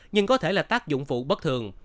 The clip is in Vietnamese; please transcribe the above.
nhưng có thể là tác dụng phụ bất thường